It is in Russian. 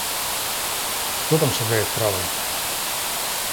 Кто там шагает правой?